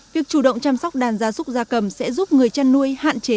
việc chủ động chăm sóc đàn gia súc gia cầm sẽ giúp người chăn nuôi hạn chế